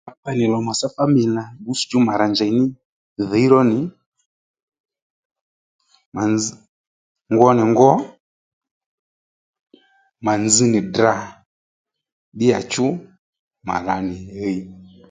Ma tey nì lò màtsá fámìli nà mà rà njey ní dhǐy ró nì mà nzz mà ngwo nì ngwo mà nzz nì Ddrà ddíyàchú mà ra nì ɦiy